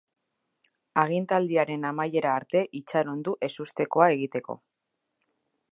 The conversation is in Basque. Agintaldiaren amaiera arte itxaron du ezustekoa egiteko.